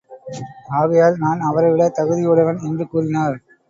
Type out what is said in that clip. ஆகையால் நான் அவரைவிட தகுதியுடையவன் என்று கூறினார்.